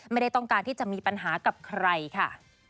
ไม่ได้ต้องการที่จะมีปัญหากับใครค่ะ